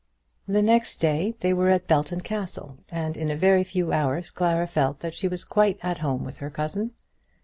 The next day they were at Belton Castle, and in a very few hours Clara felt that she was quite at home with her cousin.